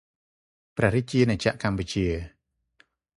ព្រះរាជាណាចក្រកម្ពុជា